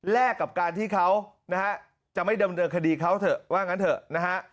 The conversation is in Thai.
กับการที่เขานะฮะจะไม่ดำเนินคดีเขาเถอะว่างั้นเถอะนะฮะ